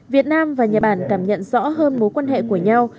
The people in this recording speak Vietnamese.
việt nam và nhật bản cảm nhận rõ hơn mối quan hệ của nhau